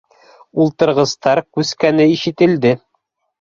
Ултырғыстар күскәне ишетелде